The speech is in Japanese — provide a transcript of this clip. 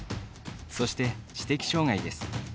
そして、知的障がいです。